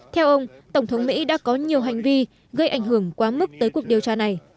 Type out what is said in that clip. theo ông tổng thống mỹ đã có nhiều hành vi gây ảnh hưởng quá mức tới cuộc điều tra này